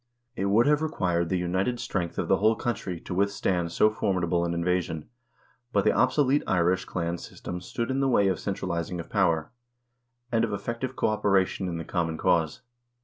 It would have re quired the united strength of the whole country to withstand so for midable an invasion, but the obsolete Irish clan system stood in the way of centralization of power, and of effective cooperation in the common cause.